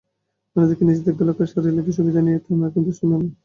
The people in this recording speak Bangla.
অন্যদিকে, নিজেদের গোলাকার শরীরের সুবিধা নিয়ে নানা রকম দুষ্টামি করত বলের পূর্বপুরুষেরা।